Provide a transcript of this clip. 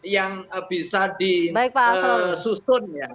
yang bisa disusun ya